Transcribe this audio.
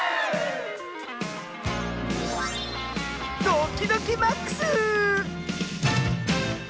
ドキドキマックス！